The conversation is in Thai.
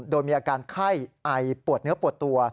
โดยมีอาการไข้ไอปวดเนื้อปวดตัว